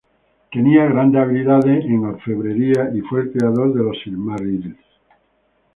Tenía grandes habilidades en orfebrería y fue el creador de los Silmarils.